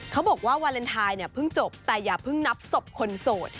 เขาบอกว่าวาเลนไทยเนี่ยเพิ่งจบแต่อย่าเพิ่งนับศพคนโสด